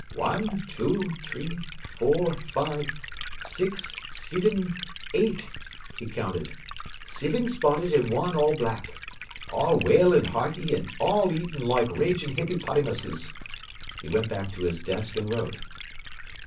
“Wan, two, t'ree, four, five, six, sivin, eight!” he counted. “Sivin spotted an' wan all black. All well an' hearty an' all eatin' loike ragin' hippypottymusses. He went back to his desk and wrote.